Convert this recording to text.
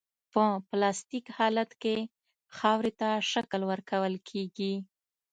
په پلاستیک حالت کې خاورې ته شکل ورکول کیږي